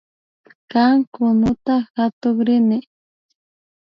Kay kunuta katukrini